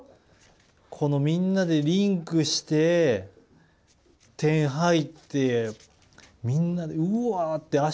このみんなでリンクして点入ってみんなうわ！って